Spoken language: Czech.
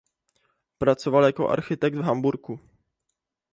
Pracoval jako architekt v Hamburku.